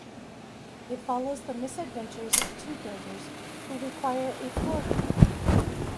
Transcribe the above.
It follows the misadventures of two builders who require a floorboard.